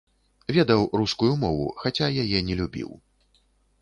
Ведаў рускую мову, хаця яе не любіў.